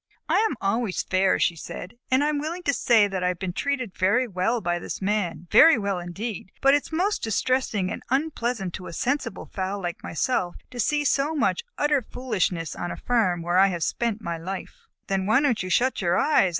"I am always fair," she said, "and I am willing to say that I have been treated very well by this Man, very well indeed, but it is most distressing and unpleasant to a sensible fowl like myself to have to see so much utter foolishness on a farm where I have spent my life." "Then why don't you shut your eyes?"